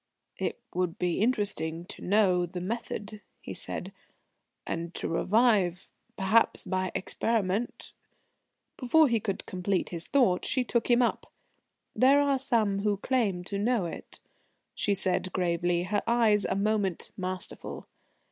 "It would be interesting to know the method," he said, "and to revive, perhaps, by experiment " Before he could complete his thought, she took him up: "There are some who claim to know it," she said gravely her eyes a moment masterful.